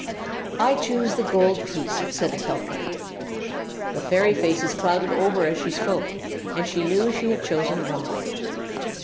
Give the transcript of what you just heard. "I choose the gold piece," said Etelka. The fairy faces clouded over as she spoke, and she knew she had chosen wrong.